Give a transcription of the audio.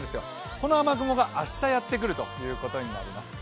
この雨雲が明日やってくるということになります。